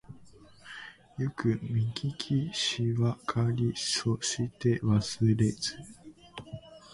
よくみききしわかりそしてわすれず